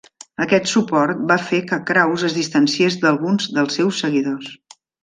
Aquest suport va fer que Kraus es distanciés d'alguns dels seus seguidors.